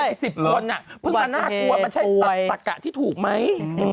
ตายที่๑๐คนน่ะเพิ่งก็น่ากลัวมันใช่ตะกะที่ถูกไหม